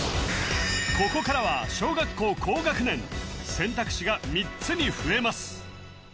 ここからは小学校高学年選択肢が３つに増えます